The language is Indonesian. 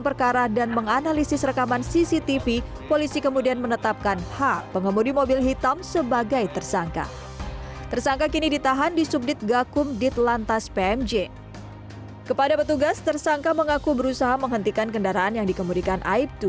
tersangka menetapkan tersangka di lokasi kejadian